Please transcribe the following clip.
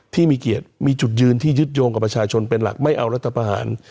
ที่มีเกียรติมีจุดยืนที่ยึดโยงกับประชาชนเป็นหลักไม่เอารัฐประหาร